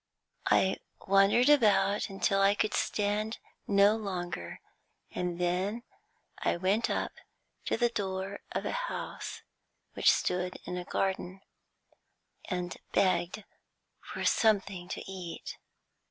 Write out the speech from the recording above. I wandered about till I could stand no longer, and then I went up to the door of a house which stood in a garden, and begged for something to eat.